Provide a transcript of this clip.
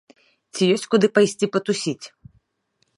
Ці ёсць куды пайсці патусіць?